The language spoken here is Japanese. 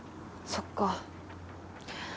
そっか。